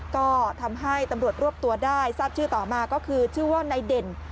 ก็ทำให้ตำรวจรวบตัวได้ทราบชื่อต่อมาก็คือชื่อว่านายเด่น